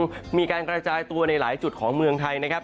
มีการกระจายตัวในหลายจุดของเมืองไทยนะครับ